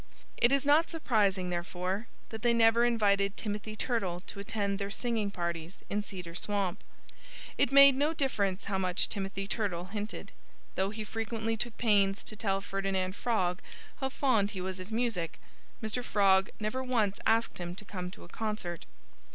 It is not surprising, therefore, that they never invited Timothy Turtle to attend their singing parties in Cedar Swamp. It made no difference how much Timothy Turtle hinted. Though he frequently took pains to tell Ferdinand Frog how fond he was of music, Mr. Frog never once asked him to come to a concert.